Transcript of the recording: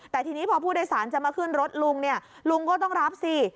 แต่ทีนี้พอผู้โดยสารจะมาขึ้นรถลุงเนี่ยลุงก็ต้องรับสิ